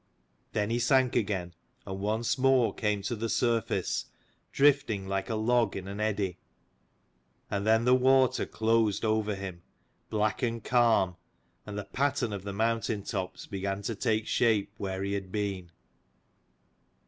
Then he sank again, and once more came to the surface, drifting like a log in an eddy. And then the water closed over him, black and calm, and the pattern of the mountain tops began to take shape where he had been.